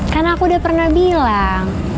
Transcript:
karena aku udah pernah bilang